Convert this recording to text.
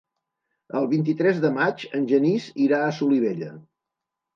El vint-i-tres de maig en Genís irà a Solivella.